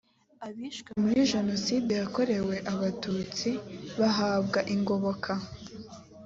abishwe muri jenoside yakorewe abatutsi bahabwa ingoboka.